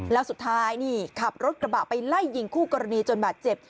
แล้วสุดท้ายนี่ขับรถกระบะไปไล่ยิงคู่กรณีจนบาดเจ็บ